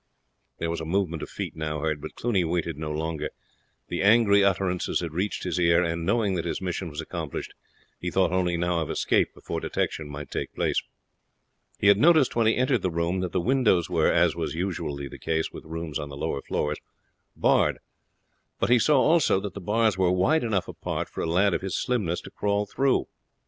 There was a movement of feet now heard, but Cluny waited no longer. The angry utterances had reached his ear, and knowing that his mission was accomplished he thought only now of escape before detection might take place. He had noticed when he entered the room that the windows were, as was usually the case with rooms on the lower floors, barred; but he saw also that the bars were wide enough apart for a lad of his slimness to crawl through.